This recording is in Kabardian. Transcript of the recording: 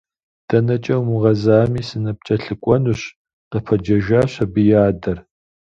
ДэнэкӀэ умыгъазэми, сыныпкӀэлъыкӀуэнущ, – къыпэджэжащ абы и адэр.